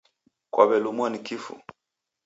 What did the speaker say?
Kwaw'elumwa ni kifu?